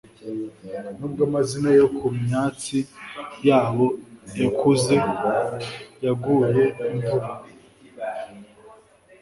nubwo amazina yo kumyatsi yabo yakuze yaguye imvura